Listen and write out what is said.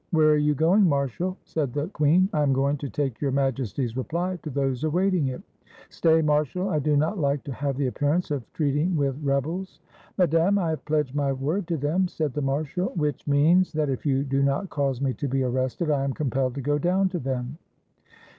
"Where are you going, Marshal?" said the queen. "I am going to take Your Majesty's reply to those awaiting it." " Stay, Marshal ! I do not like to have the appearance of treating with rebels!" "Madame, I have pledged my word to them," said the marshal. "Which means —" "That if you do not cause me to be arrested, I am compelled to go down to them."